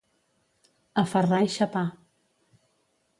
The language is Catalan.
A ferrar i xapar.